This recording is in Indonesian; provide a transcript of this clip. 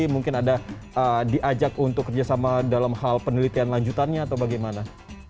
mungkin ada diajak untuk kerjasama dalam hal penelitian lanjutannya atau bagaimana